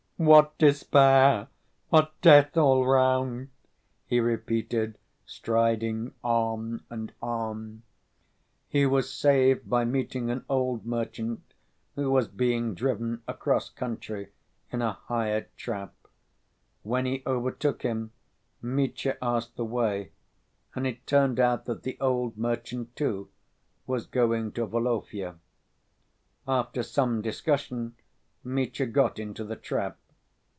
"What despair! What death all round!" he repeated, striding on and on. He was saved by meeting an old merchant who was being driven across country in a hired trap. When he overtook him, Mitya asked the way, and it turned out that the old merchant, too, was going to Volovya. After some discussion Mitya got into the trap.